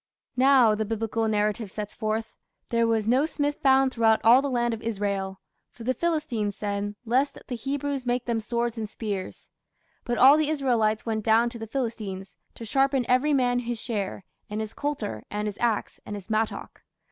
"Now", the Biblical narrative sets forth, "there was no smith found throughout all the land of Israel; for the Philistines said, Lest the Hebrews make them swords and spears; but all the Israelites went down to the Philistines, to sharpen every man his share, and his coulter, and his axe, and his mattock".